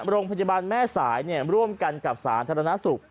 โรงพยาบาลแม่สายร่วมกันกับสาธารณสุข